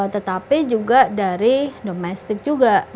tetapi juga dari domestik juga